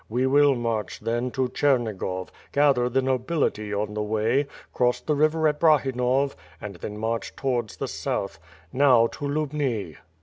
We will march, then, to Chernigov, gather the nability on the way, cross the river at Brahinov, and then march toVards the south. Now to Lubni."